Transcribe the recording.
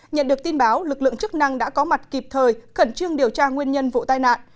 nhận được tin báo lực lượng chức năng đã có mặt kịp thời khẩn trương điều tra nguyên nhân vụ tai nạn